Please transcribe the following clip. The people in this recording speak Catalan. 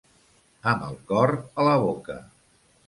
Amb el cor a la boca.